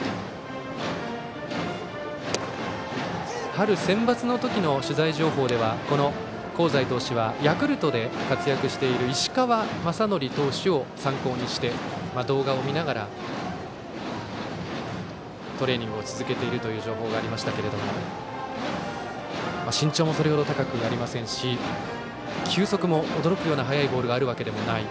春センバツの時の取材情報では香西投手はヤクルトで活躍している石川雅規投手を参考にして動画を見ながらトレーニングを続けているという情報がありましたが身長もそれほど高くありませんし球速も驚くような速いボールがあるわけではない。